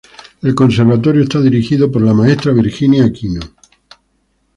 El conservatorio está dirigida por la maestra, Virginia Aquino.